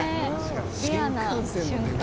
レアな瞬間。